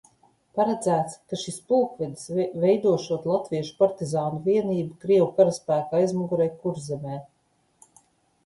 Paredzēts, ka šis pulkvedis veidošot latviešu partizānu vienību krievu karaspēka aizmugurē Kurzemē.